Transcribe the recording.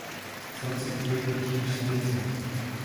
Samci bývají menší než samice.